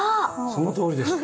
そのとおりです。